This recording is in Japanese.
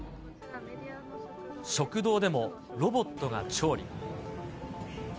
食堂でも、ロボットが調理。